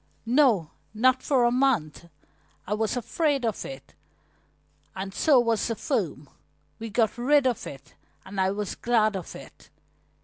"No, not for a month. I was afraid of it, and so was the firm. We got rid of it, and I was glad of it."